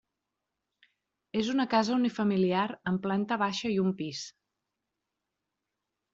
És una casa unifamiliar amb planta baixa i un pis.